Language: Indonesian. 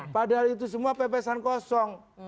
padahal itu semua pepesan kosong